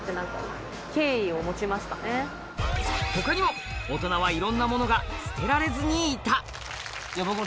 他にも大人はいろんなものが捨てられずにいた僕も。